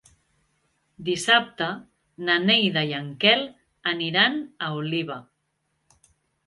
Dissabte na Neida i en Quel aniran a Oliva.